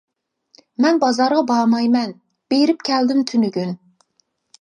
مەن بازارغا بارمايمەن، بېرىپ كەلدىم تۈنۈگۈن.